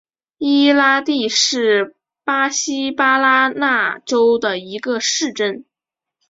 伊拉蒂是巴西巴拉那州的一个市镇。